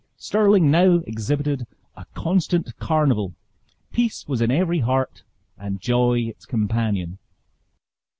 Stirling now exhibited a constant carnival; peace was in every heart, and joy its companion.